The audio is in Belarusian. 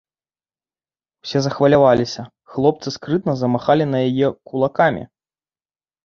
Усе захваляваліся, хлопцы скрытна замахалі на яе кулакамі.